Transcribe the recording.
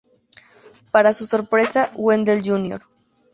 Para su sorpresa, Wendell Jr.